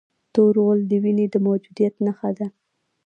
تور غول د وینې د موجودیت نښه ده.